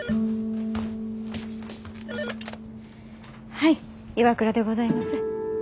☎はい岩倉でございます。